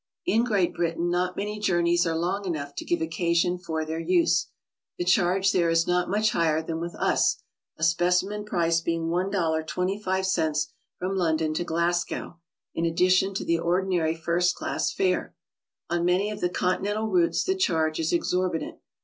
In Great Britain not many journeys are long enough to give occasion for their use. The charge there is not much higher than with us, a specimen pric*e being $1.25 from London to Glasgow, in addition to the ordinary first class fare. On many of the Continental routes the charge is exorbitant.